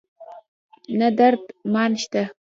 نه درد مان شته